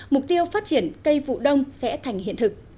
mục tiêu phát triển cây vụ đông sẽ thành hiện thực